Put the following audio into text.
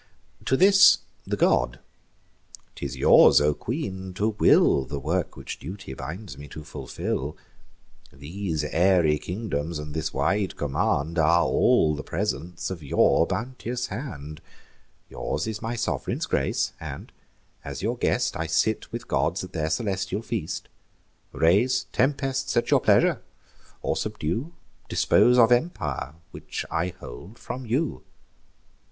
To this the god: "'Tis yours, O queen, to will The work which duty binds me to fulfil. These airy kingdoms, and this wide command, Are all the presents of your bounteous hand: Yours is my sov'reign's grace; and, as your guest, I sit with gods at their celestial feast; Raise tempests at your pleasure, or subdue; Dispose of empire, which I hold from you."